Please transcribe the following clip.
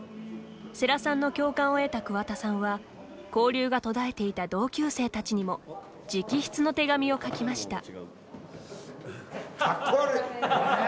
世良さんの共感を得た桑田さんは交流が途絶えていた同級生たちにも直筆の手紙を書きました。